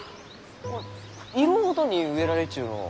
色ごとに植えられちゅうのう。